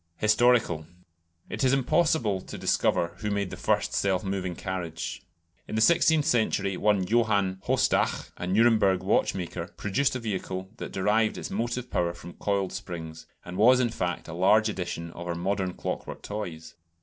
Historical. It is impossible to discover who made the first self moving carriage. In the sixteenth century one Johann Haustach, a Nuremberg watchmaker, produced a vehicle that derived its motive power from coiled springs, and was in fact a large edition of our modern clockwork toys.